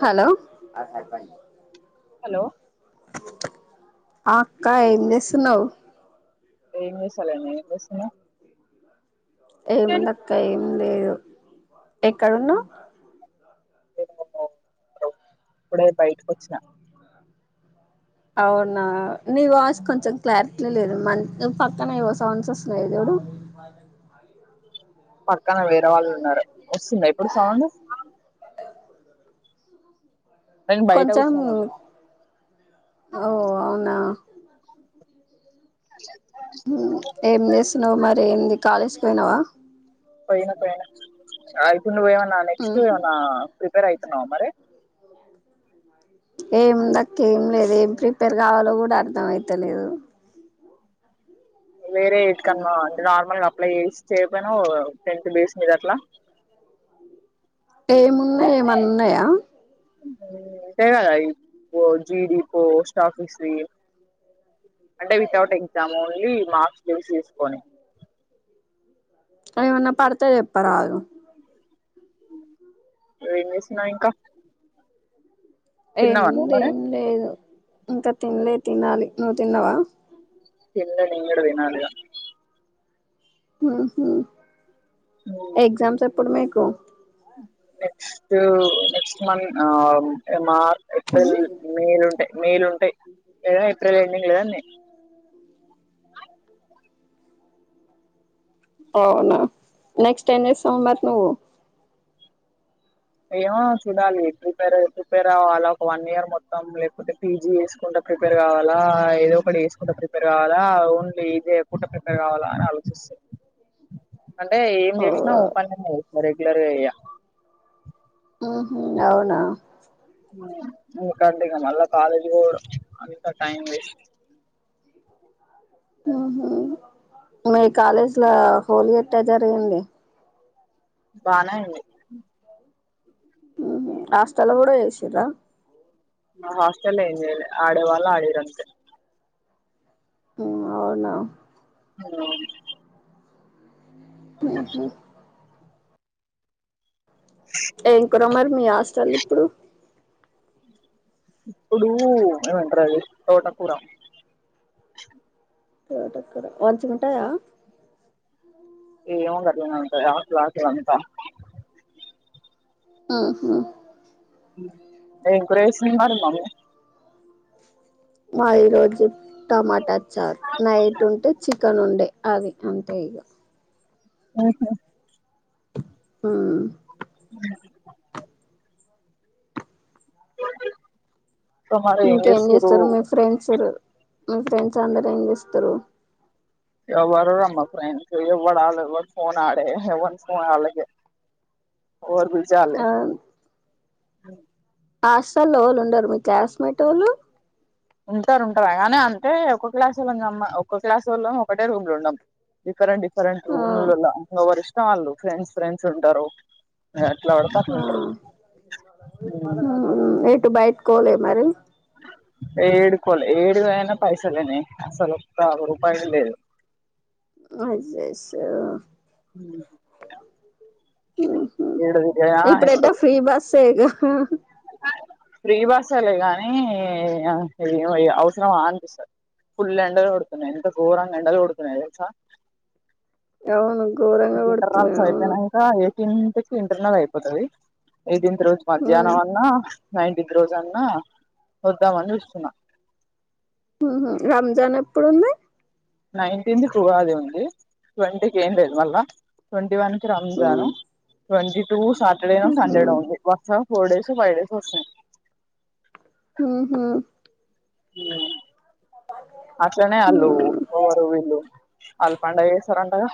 Hello hello ఆ అక్కా ఏం చేస్తున్నవ్ ఏం చేస్తాలేన్ నువ్వేం చేస్తున్నావ్ ఏముంది అక్క ఏం లేదు. ఎక్కడున్నవ్ ఇప్పుడే బయటికొచ్చిన అవునా నీ వాయిస్ కొంచం క్లారి ట్లేలేదు. మన్ పక్కన ఏవో సౌండ్స్ వస్తున్నాయి చూడు పక్ కానీ వేరే వాళ్ళు ఉన్నారు. వస్తుందా ఇప్పుడు సౌండ్ నేను బయట కొంచెం కూర్చొని ఉన్నా ఓ అవునా [inaudible] మ్మ్ ఏం చేస్తున్నావు మరి ఏంది కాలేజ్కి పోయినావా పోయినా పోయిన నువ్ ఏమన్నా నెక్స్ట్ ఏమనా ప్రిపేర్ అయ్ తున్నావా మరి ఏం దక్క ఏం లేదు ఏం ప్రిపేర్ కావాలో కూడా అర్థం అయితలేదు వేరే ఇటుకనమా అంటే నార్మల్గా అప్లై చేసి చేయపోయినా టెన్ట్ డేస్ మీద అట్లా ఏమున్నాయా ఏమన్నా ఉన్నాయా అంతే కదా జీడి పోస్ట్ ఆఫీస్ అంటే వితౌట్ ఎగ్జామ్ ఓన్లీ మార్క్స్ సి తీసుకొని కానీ ఏమన్నా పడతే చెప్పరాదు ను ఏం చేస్తునవు ఇంకా తిన్నావా నువ్వు ఏముంది మరి ఏం లేదు ఇంకా తినలే తినాలి నువ్వు తిన్నావా తినలే నేను గూడా తినాలిగా మ్మ్ హు ఇగ ఎగ్జామ్స్ ఎప్పుడు మీక్ ఓకె నెక్స్ట్ నెక్స్ట్ మంత్ ఆ మార్ ఉమ్ ఏప్రిల్ మేలో ఉంటయి మేలో ఉంటయి ఏప్రిల్ ఎండింగ్ లేదాన్నీ అవునా నెక్స్ట్ ఏంచేస్తావ్ మరి నువ్వు ఏమో చూడాలి ప్రిపేర్ ప్రిపేర్ అవ్వాలా ఒక వన్ ఇయర్ మొత్తం లేకపోతే పీజీ చేసుకుంట ప్రిపేర్ కావాలా ఏదో ఒకటి చేసుకుంట ప్రిపేర్ కావాలా ఓన్లీ ఇదే పూర్తిగ ప్రిపేర్ కావాలా అని ఆలోచిస్ అంటే ఏం చేసినా ఓపన్ గా పోవాలి క్లియర్ చెయ్య మ్మ్ హ్మ్ అవునా కరట్గా మళ్ళా కాలేజ్ పోవడం అదంతా టైం వేస్ట్ మ్మ్ మీ కాలేజీ లో హోలీ ఎట్టా జరిగింది బానే ఐంది మ్మ్ హాస్టల్ లో కూడా చేసిర్ర హాస్టెల్ ఏం చెయ్యలే ఆడే వాళ్ళు ఆడిరంతే మ్మ్ అవునా అవును మ్మ్ హ్మ్ ఏం కూర మరి మీ హాస్టలో ఇప్పుడు ఇప్పుడూ ఏమంటారు అది తోట కూర తోట కూర మంచిగుంటదా ఏ గట్లనే ఉంటది ఆకులు ఆకులు అంతా మ్మ్ హ్మ్ ఏం కూర చేసింది మరి మీ మమ్మీ ఆ ఈ రోజు టమాటా చార్ నైట్ ఉంటే చికెన్ ఉండే అది అంతే ఇగ ఓహొ ఊ ఇంకా మరి ఏం ఇంకేం చేస్తుర్రు చేస్తారు మీ ఫ్రెండ్స్ మీ ఫ్రెండ్స్ అందరూ ఏంచేస్తరు ఎవ్వరు మా ఫ్రెండ్స్ ఏ ఎవ్వడు ఆల ఎవ్వల్ ఫోన్ ఆడే ఎవన్ ఫోన్ ఆలకే ఎవరి బీసీ వాళ్లే ఆ హాస్టల్ లో ఓళ్ళు ఉండరు మీ క్లాస్ ఉండేటోలు ఉంటారు కానీ అంటే ఒక్క క్లాస్ వొళ్లం కామ ఒక్క క్లాస్ వొళ్లం ఒకటే రూమ్ లుండం డిఫరెంట్ డిఫ్ రెంట్ ఆ రూమ్ లున్న ఎవరి ఇస్ వాళ్ళు ఫ్రెండ్స్ ఫ్రెండ్స్ ఉంటరూ నేను ఎట్లా ఆడితే అట్లా ఆ ఇంటరు బయట్కోవలే మరి ఏడ్కోలే ఏడుగానా పైసలేనే స్వలు రూపాయలు లేదు అ ఏడుదిద హ ఫ్రీ బాస్ాల గానీ అవసరం వాంది సార్ ఫుల్ ఎండలు కొడుతున్నాయి ఎంత ఘోరంగా ఎండలు కొడుతున్నాయి తెసార్ అవును ఘోరంగా కొడుతున్నాయి ఇంటర్ల్స్ అవును అయితేనే ఇంకా ఎయిటీన్ ఇంటర్నల్ అయిపోతుది ఇదింత రోజ్ ఉమ్ మధ్యాహ్నవన్న నైంటిక్రోజన్న వద్దామని ఇస్తున్నా రంజాన్ ఎప్పుడుంది నైన్టీన్ ట ఆది ఉంది ట్వంటీకి ఏం లేదు మళ్ళా ట్వంటీ వన్ కి Ramzan um twenty two Saturday ను ఉహు సంండేడ ఉ వసప్ ఫోర్డేస్ ఫైడేస్ వస్తున్నా ఉహు హ అత్రనేే అల్లు ఉమ్ రు ఇల్లు అల్ పండగ చరండగా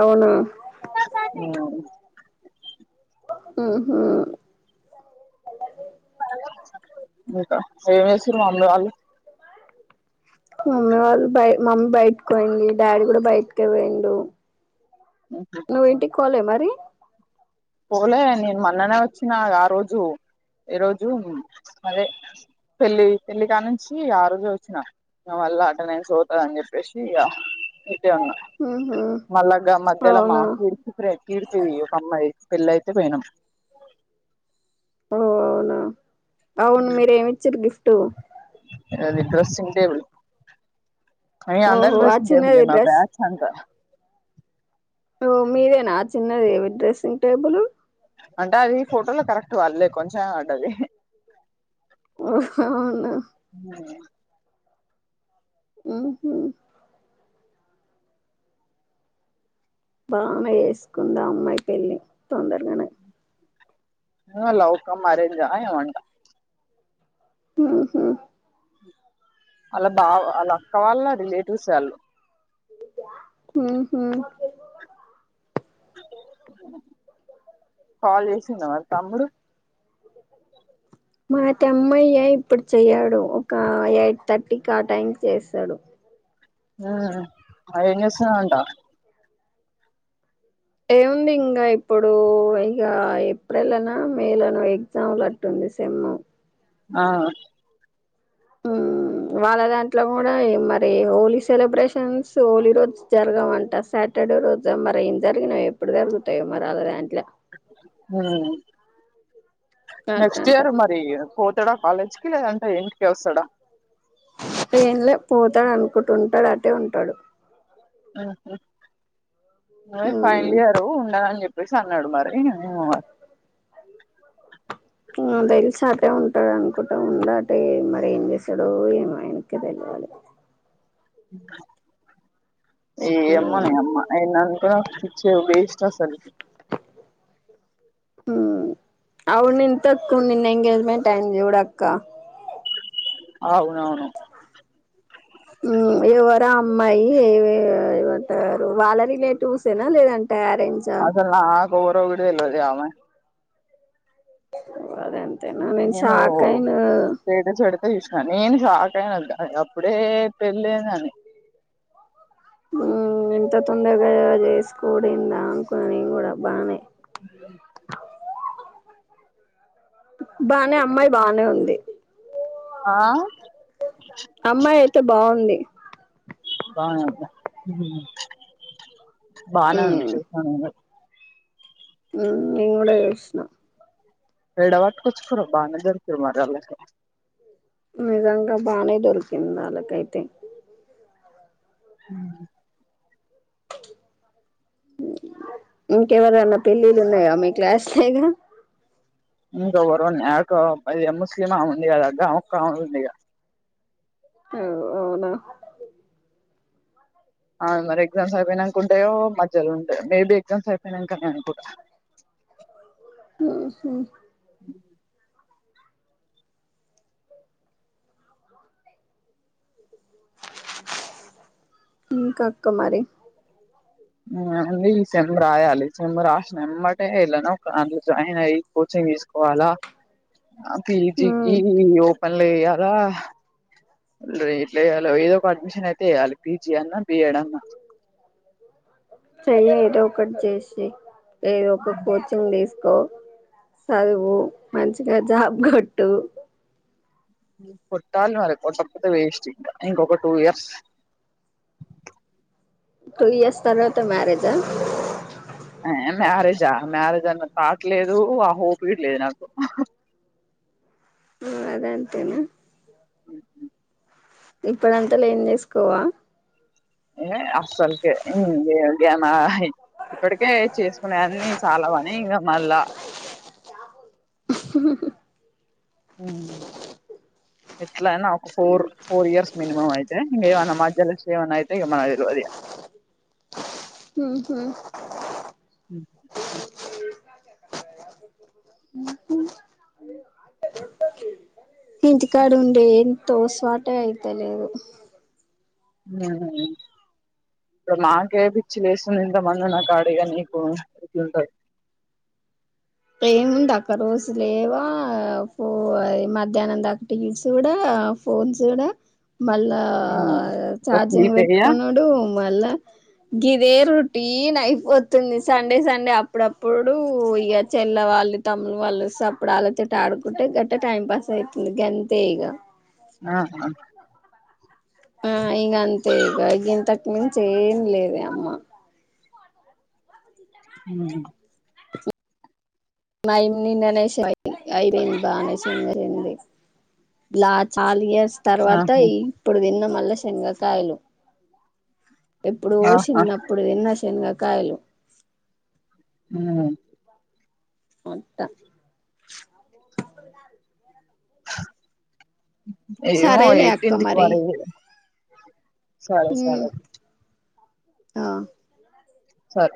అవునా కా కా ఉ ఆ ఇంకా ఏమిసూరు మామలు వాళ్ళు మమ్మీ వాళ్ళు బయ మమ్మీ బయటకి పోయింది డాడీ కూడా బయటకే పోయిండు నువ్వు ఇంటికి పోలే మరి పోలే నేను మన్ననే వచ్చిన ఆ రోజు ఏ రోజు అదే పెళ్లి పెళ్లి కానుంచి ఆ రోజే వచ్చినా ఆ మల్ల నేను చదువుతాడు అని చెప్పేసి ఇగా ఈడే ఉన్నా ఉహు మల్లగా మధ్యలో అవునా మాకు ఇడిచ ప్రెతి ఇడుతవి ఒక అమ్మాయి పెళ్లయితే పోయినాం ఓ అవునా అవును మీరేమి ఇచ్చారు గిఫ్ట్ అది డ్రెస్సింగ్ టేబుల్ అయ్య ఓహో అందల్ ఆ ఋషి చిన్నది దేవదే నా డ్రెస్ బ్యాచ్ అంత ఓ మీరే నా చిన్నది డ్రెస్సింగ్ టేబులు అంటే అది ఫోటోలో కరెక్ట్ వాళ్లే కొంచెం పడ్డది హో అవునా ఉ హు బానే చేసుకుందా అమ్మాయి పెళ్లి తొందరగానే లవ్ కమ్ అరెంజా ఏమంట ఉ హు అలా బావ అలా అక్క వాళ్ళ రిలేటివ్సే వాళ్ళు ఉ హు కాల్ చేస్ ఇంగా వాడి తమ్ముడు మాట అమ్మాయ ఇప్పుడు చెయ్యడు ఒక ఎయిట్ థర్టీకి ఆ టైం కి చేస్తాడు ఆ ఏం చేస్తున్నాడు అంట ఏముంది ఇంగా ఇప్పుడు ఇగ ఏప్రిల్ అనా మే లోనో ఎగ్జామ్లు అట్టుంది సెమ్ము ఆ ఉమ్ వాళ్ళ దాంట్లో కూడా మరి హోలీ సెలబ్రేషన్స్ హోలీ రోజు జరగవంట సాటర్డే రోజు మరి ఏం జరిగినాయో ఎప్పుడు జరుగుతాయో మరి వాళ్ళ దాంట్లో ఉ నెక్స్ట్ అట్టంట ఇయర్ మరి పోతడ కాలేజ్ కి లేదంటే ఇంటికే వస్తాడా ట్రైన్ లో పోతాడు అనుకుంటుంటాడు అటే ఉంటాడు ఆ మ్మ్ ఫైనల్ ఇయరు ఉండాల అని చెప్ వేసా అన్నాడు మరి ఏమో మరి ఉ తెలిసు అటే ఉంటాడు అనుకుంటా ఉంద అటే మరి ఏం చేస్తాడో ఏమో ఆయనకె తెలియాలి క ఏమో మ్మ్ ని అమ్మ అయిదాంట్లో పిచ్చి వెస్ట్ అసలు ఉ అవును ఇంతకు నిన్న ఎంగేజ్మెంట్ అయింది చూడు అక్క అవునవును ఎవరు అమ్మాయి ఏ ఏమంటారు వాళ్ళ రిలేటివ్సేనా లేదంటే అరేంజా అసలు నాకు ఎవరో కూడా తెల్వదు ఆమె ఓ అదే తిన నేను షాక్ ఐన స్టేటస్ పెడితే చూసిన నేను షాక్ అయిన అప్పుడే పెళ్లి ఏందని హు ఎంత తొందరగా చేసుకోడింద అనుకున్న బానే బానే అమ్మాయి బానే ఉంది ఆ అమ్మాయి అయితే బాగుంది బాగానే ఉందా బానే ఉంది చూసా నీను హు నీను కూడా చుసిన ఏడ పట్టుకొచ్చుకుర్రో బానే దొరికిళ్ళు మరి ఆళ్లకు నిజంగా బానే దొరికింది వాళ్ళకైతే ఇంకెవరన్నా పెళ్లిళ్లు ఉన్నాయా మీ క్లాసుల ఇగ ఇంకా ఎవరో న్యాకో అది ముస్లిం ఆమె ఉంది కదా అక్క ఆమె ఒక్క ఆమె ఉంది ఇగ అవు అవునా మరి ఎగ్జామ్స్ అయిపోయినాకు ఉంటాయో మధ్యలో ఉంటాయి మేబి ఎగ్జామ్స్ అయిపోయినాకనే అనుకోంట ఓహో ఇంక అక్క మరి ఓన్లీ సెంబ్ రాయాలి సెంబ్ రాసినంబటే వెళ్ళనా ఒక జాయిన్ అయ్యి కోచింగ్ తీసుకోవాలా పి జి కి ఉమ్ ఓపెన్ లో ఎయ్యాల ఇట్లే ఏదో ఒక అడ్మిషన్ అయితే ఏయ్యాలి పీ జీ అన్న పియడన్న ఒకట్ చేసి ఏదో ఒక కోచింగ్ తిస్ సాదువు మంచిగా జాబ్ కొట్టు కొట్టాలిరా లేకపోతే వేస్ట్ ఇంకా ఏం ఇంకొక టూ ఇయర్స్ టూ ఇయర్స్ తర్వాత మ్యారేజ మ్యారేజా మ్యారేజ్ అన్న తాట్ లేదు ఆ హోప్ ఇట్లేదు నాకు అది అంతేనా ఇప్పుడ అంతలా ఏం చేసుకోవా ఏ అసలుకే ఏ గనా ఇప్పటికే చేసుకునేవన్ని చాలావనీ ఇగ మళ్ళా హ ఎట్లానా ఒక ఫోర్ ఫోర్ ఇయర్స్ మినిమం అయితే ఇంగేమన్న మాధ్యల [unintelligible] ఏమన్న అయితే ఇగ మనకు తెల్వదు ఇగ మ్మ్ హు మ్మ్ హు ఇంటికాడు ఉండే తోసువాటే అయితలేదు మ్మ్ ఇప్పుడు మాకే పిచ్చి లేస్తుంది ఇంత మందు నా కాడగా నీకు ఎట్లుంటది ఏముంది అక్క రోజు లేవా పో ఆ మధ్యాహ్నం దాకా రీల్స్ చూడ ఫోన్స్ చూడ మళ్ళా ఆ ఛార్జింగ్ స్లీపేయ పెట్టుకున్నాడు మళ్ళా గిదే రొటీన్ అయిపోతుంది సండే సండే అప్పుడప్పుడు ఇగ చెల్ల వాళ్ళు తమ్ములు వాళ్ళు సప్పుడు ఆలోచట ఆడుకుంటే గట్ట టైం పాస్ అయితుంది గంతే ఇగ ఆహా ఆ ఇగ అంతే ఇగా ఇంతకు మించి ఏం లేదే అమ్మ అ మై నిన్ననే అయి పోయింది బానే సింగరేణిది లాస్ చాల ఇయరస్ స్ తర్వాత ఇప్పుడు తిన్న మళ్ళ శనగ కాయలు ఎప్పుడో ఆహా చిన్న అప్పుడు తిన్న శనగ కాయలు కాయలు ఊ ఓత్త ఏమో సరేలే అక్క ఎయిటీన్త్ కి మరి వారిది సరే సరే ఆ సర్